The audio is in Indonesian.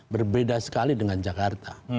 berbeda sekali dengan jakarta